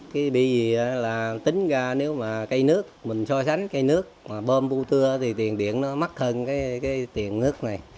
cái bị gì là tính ra nếu mà cây nước mình so sánh cây nước bơm vô tưa thì tiền điện nó mắc hơn cái tiền nước